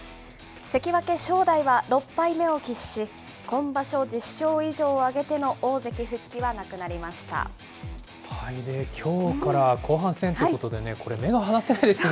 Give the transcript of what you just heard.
関脇・正代は６敗目を喫し、今場所１０勝以上を挙げての大関復帰きょうから後半戦ということでね、これ、目が離せないですね。